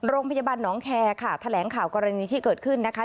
โรงพยาบาลหนองแคร์ค่ะแถลงข่าวกรณีที่เกิดขึ้นนะคะ